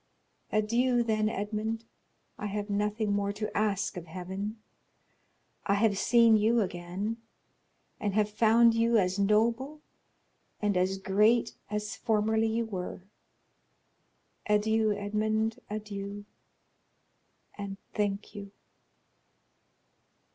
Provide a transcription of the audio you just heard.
Adieu, then, Edmond; I have nothing more to ask of heaven—I have seen you again, and have found you as noble and as great as formerly you were. Adieu, Edmond, adieu, and thank you."